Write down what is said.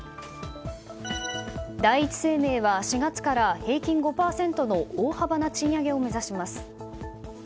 第一生命は４月から平均５％の大幅な賃上げを目指します。